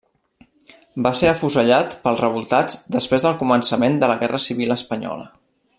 Va ser afusellat pels revoltats després del començament de la Guerra civil espanyola.